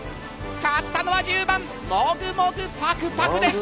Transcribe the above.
勝ったのは１０番モグモグパクパクです！